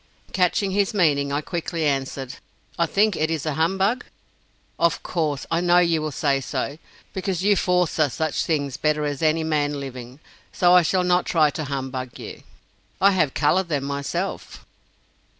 Catching his meaning, I quickly answered: "I think it is a humbug?" "Of course, I know you will say so; because you 'forstha' such things better as any man living, so I shall not try to humbug you. I have color them myself."